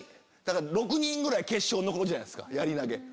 ６人ぐらい決勝に残るじゃないですかやり投げ。